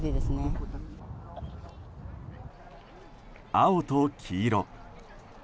青と黄色。